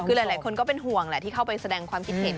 คือหลายคนก็เป็นห่วงแหละที่เข้าไปแสดงความคิดเห็น